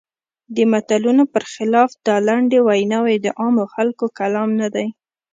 د متلونو پر خلاف دا لنډې ویناوی د عامو خلکو کلام نه دی.